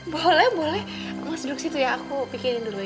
boleh boleh mas duduk situ ya aku pikirin dulu ya